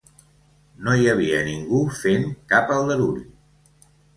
No hi havia ningú fent cap aldarull.